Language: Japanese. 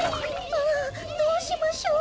ああどうしましょう。